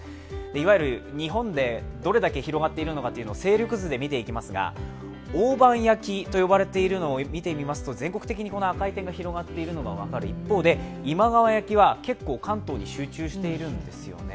いわゆる日本でどれだけ広がっているのかを勢力図で見てみますが大判焼きと呼ばれているのを見ていますと全国的に赤い点が広がっているのに対して今川焼きは関東に集中しているんですよね。